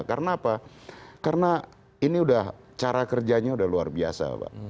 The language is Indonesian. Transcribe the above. karena apa karena ini sudah cara kerjanya sudah luar biasa pak